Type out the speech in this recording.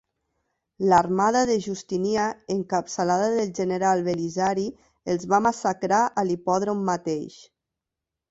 L'armada de Justinià, encapçalada del general Belisari, els va massacrar a l'hipòdrom mateix.